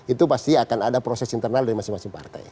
itu pasti akan ada proses internal dari masing masing partai